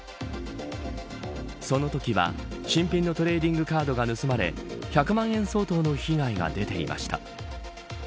そのときは新品のトレーディングカードが盗まれ１００万円相当の被害が出ていました。